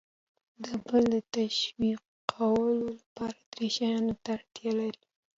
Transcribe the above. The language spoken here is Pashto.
د بل د تشویقولو لپاره درې شیانو ته اړتیا لر ئ :